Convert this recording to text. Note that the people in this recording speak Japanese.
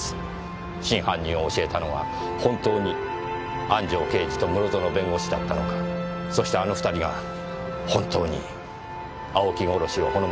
真犯人を教えたのは本当に安城刑事と室園弁護士だったのかそしてあの２人が本当に青木殺しをほのめかしたのか。